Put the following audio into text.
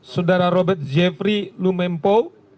saudara robert jeffrey lumempo